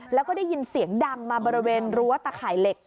แล้วก็ได้ยินเสียงดังมาบริเวณรั้วตะข่ายเหล็ก